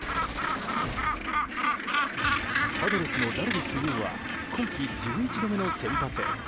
パドレスのダルビッシュ有は今季１１度目の先発。